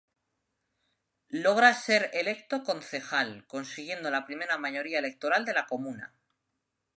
Logra ser electo Concejal, consiguiendo la primera mayoría electoral de la comuna.